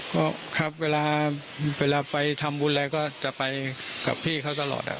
ก็ครับเวลาไปทำบุญอะไรก็จะไปกับพี่เขาตลอด